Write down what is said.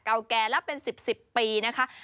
เก่าแก่แล้วเป็น๑๐๑๐ปีนะคะ